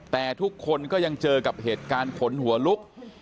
แต่ทุกคนก็ยังเจอกับเหตุการณ์ขนหัวลุก